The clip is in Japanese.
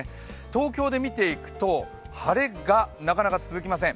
東京で見ていくと、晴れがなかなか続きません。